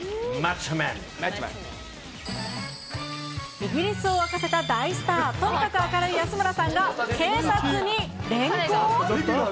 イギリスを沸かせた大スター、とにかく明るい安村さんが警察に連行？